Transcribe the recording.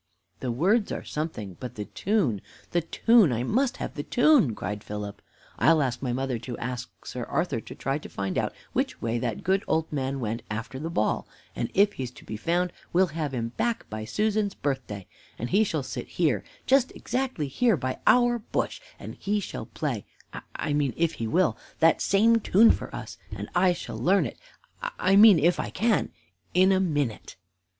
"The words are something, but the tune the tune I must have the tune," cried Philip. "I'll ask my mother to ask Sir Arthur to try and find out which way that good old man went after the ball; and if he's to be found, we'll have him back by Susan's birthday, and he shall sit here just exactly here by our bush, and he shall play I mean, if he will that same tune for us, and I shall learn it I mean, if I can in a minute."